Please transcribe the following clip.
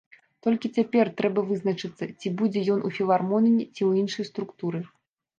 Толькі цяпер трэба вызначыцца, ці будзе ён у філармоніі, ці ў іншай структуры.